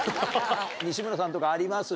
西村さんとかあります？